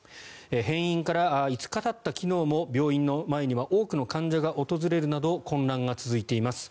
閉院から５日たった昨日も病院の前には多くの患者が訪れるなど混乱が続いています。